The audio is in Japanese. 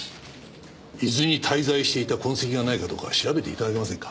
伊豆に滞在していた痕跡がないかどうか調べて頂けませんか？